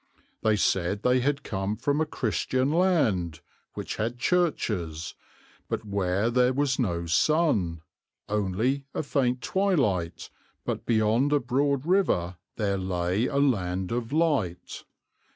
They said they had come from a Christian land, which had churches, but where there was no sun, 'only a faint twilight, but beyond a broad river there lay a land of light.'